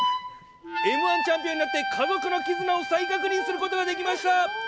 Ｍー１チャンピオンになって家族の絆を再確認することができました。